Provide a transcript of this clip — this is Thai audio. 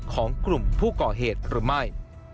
ของกลุ่มผู้ก่อเหตุหรือไม่